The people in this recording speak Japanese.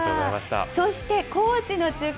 そして高知の中継